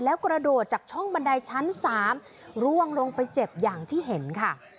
แล้วกระโดดจากช่องบันไดชั้น๓ร่วงลงไปเจ็บอย่างที่เห็นค่ะ